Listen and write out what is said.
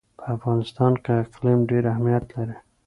په افغانستان کې اقلیم ډېر اهمیت لري.